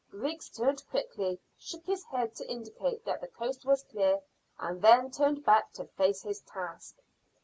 Griggs turned quickly, shook his head to indicate that the coast was clear, and then turned back to face his task.